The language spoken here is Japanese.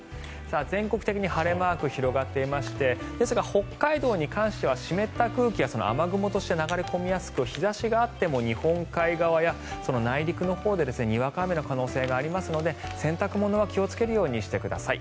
全国的に晴れマークが広がっていましてですが、北海道に関しては湿った空気が雨雲として流れ込みやすく日差しがあっても日本海側や内陸のほうでにわか雨の可能性がありますので洗濯物は気をつけるようにしてください。